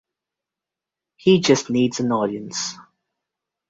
He just needs an audience.